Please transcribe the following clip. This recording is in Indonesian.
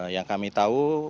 yang kami tahu